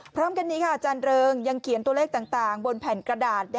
พร้อมกันนี้ค่ะอาจารย์เริงยังเขียนตัวเลขต่างบนแผ่นกระดาษ